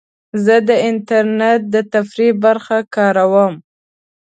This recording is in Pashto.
زه د انټرنیټ د تفریح برخه کاروم.